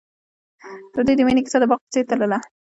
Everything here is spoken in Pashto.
د دوی د مینې کیسه د باغ په څېر تلله.